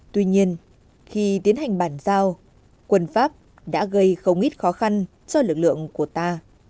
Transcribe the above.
tuy nhiên khi tiến hành bàn giao quân pháp đã gây không ít khó khăn cho lực lượng của ta